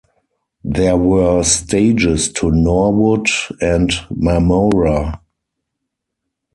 There were stages to Norwood and Marmora.